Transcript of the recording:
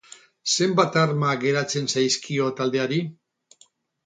Zenbat arma gertatzen zaizkio taldeari?